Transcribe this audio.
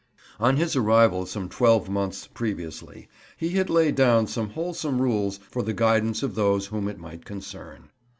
On his arrival some twelve months previously he had laid down some wholesome rules for the guidance of those whom it might concern.